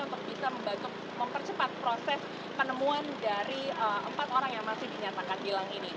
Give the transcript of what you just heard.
untuk bisa mempercepat proses penemuan dari empat orang yang masih dinyatakan hilang ini